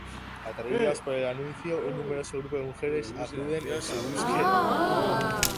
Atraídas por el anuncio, un numeroso grupo de mujeres acuden en su búsqueda.